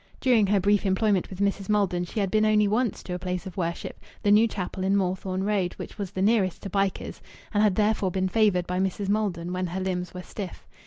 During her brief employment with Mrs. Maldon she had been only once to a place of worship, the new chapel in Moorthorne Road, which was the nearest to Bycars and had therefore been favoured by Mrs. Maldon when her limbs were stiff.